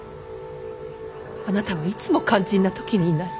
あなたはいつも肝心な時にいない。